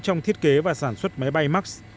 trong thiết kế và sản xuất máy bay max